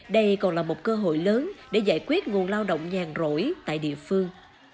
đây còn là một cơ hội lớn để giải quyết nguồn lao động nhàn rỗi tại địa phương